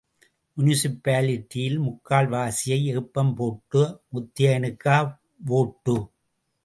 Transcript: முனிசிபாலிட்டியில் முக்கால்வாசியை ஏப்பம் போட்ட முத்தையனுக்கா வோட்டு?